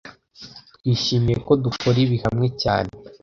Twishimiye ko dukora ibi hamwe cyane